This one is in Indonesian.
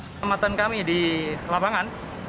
kematan kami di lapangan